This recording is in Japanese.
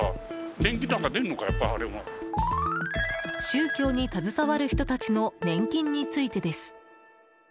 宗教に携わる人たちの年金についてです。